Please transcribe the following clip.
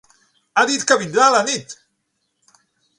Ha dit que vindrà a la nit.